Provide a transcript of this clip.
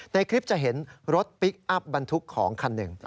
ในคลิปจะเห็นรถพลิกอัพบรรทุกของคันหนึ่ง